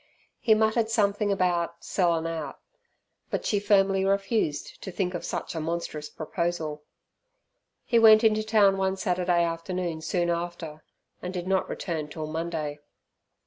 He muttered something about "sellin' out", but she firmly refused to think of such a monstrous proposal. He went into town one Saturday afternoon soon after, and did not return till Monday.